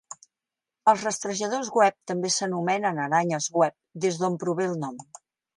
Els rastrejadors web també s'anomenen aranyes web, des d'on prové el nom.